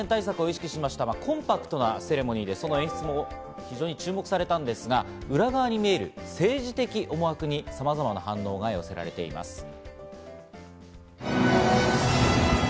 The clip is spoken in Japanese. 感染対策を意識しましたが、コンパクトなセレモニーで、その演出も非常に注目されたんですが、裏側に見える、政治的思惑にさまざま反応が寄せられています。